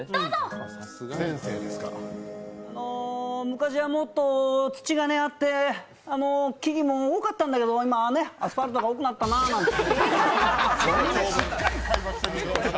昔はもっと土があって、木々も多かったんだけど今はアスファルトが多くなったななんて。